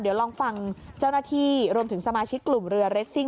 เดี๋ยวลองฟังเจ้าหน้าที่รวมถึงสมาชิกกลุ่มเรือเรสซิ่ง